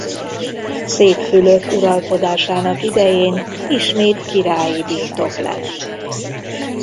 Szép Fülöp uralkodásának idején ismét királyi birtok lett.